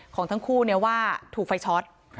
ของทั้งคู่ว่าถูกไฟช็อต